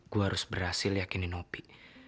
gue harus berhasil yakinin lo pi